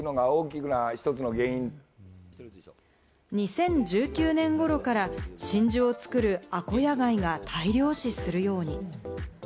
２０１９年頃から真珠を作る、あこや貝が大量死するように。